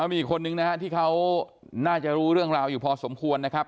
มีอีกคนนึงนะฮะที่เขาน่าจะรู้เรื่องราวอยู่พอสมควรนะครับ